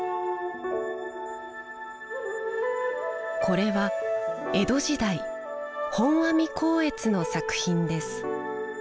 これは江戸時代本阿弥光悦の作品です。